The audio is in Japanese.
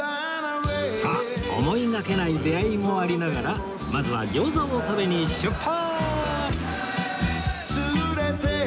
さあ思いがけない出会いもありながらまずは餃子を食べに出発！